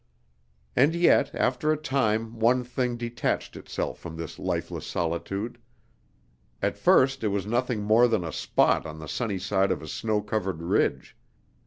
And yet, after a time one thing detached itself from this lifeless solitude. At first it was nothing more than a spot on the sunny side of a snow covered ridge.